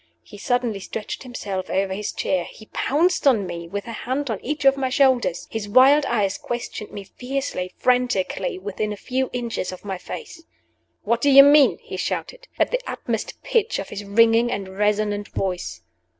He suddenly stretched himself over his chair: he pounced on me, with a hand on each of my shoulders; his wild eyes questioned me fiercely, frantically, within a few inches of my face. "What do you mean?" he shouted, at the utmost pitch of his ringing and resonant voice.